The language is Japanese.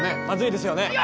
まずいですよね？